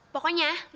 pokoknya gue gak mau